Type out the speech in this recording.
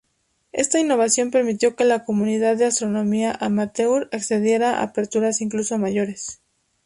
Esta innovación permitió que la comunidad de astronomía amateur accediera a aperturas incluso mayores.